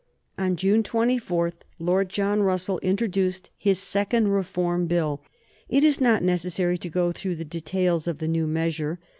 On June 24 Lord John Russell introduced his second Reform Bill. It is not necessary to go through the details of the new measure.